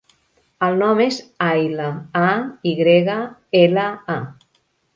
El nom és Ayla: a, i grega, ela, a.